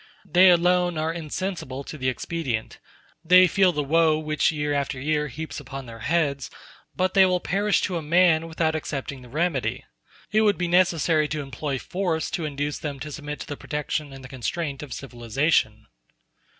They alone are insensible to the expedient; they feel the woe which year after year heaps upon their heads, but they will perish to a man without accepting the remedy. It would be necessary to employ force to induce them to submit to the protection and the constraint of civilization.